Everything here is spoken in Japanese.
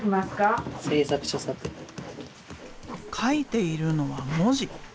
書いているのは文字。